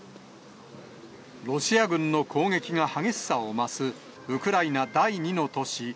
ロシア軍の攻撃が激しさを増すウクライナ第２の都市